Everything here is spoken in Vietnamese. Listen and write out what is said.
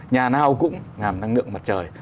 nhà nào cũng làm năng lượng mặt trời